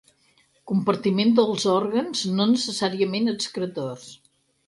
Compartiments dels òrgans, no necessàriament excretors.